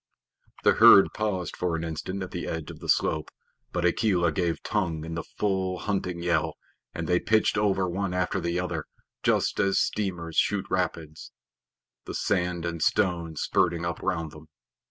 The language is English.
The herd paused for an instant at the edge of the slope, but Akela gave tongue in the full hunting yell, and they pitched over one after the other, just as steamers shoot rapids, the sand and stones spurting up round them.